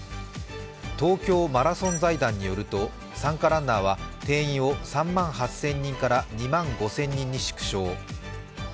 東京マラソン財団によると、参加ランナーは定員を３万８０００人から２万５０００人に縮小。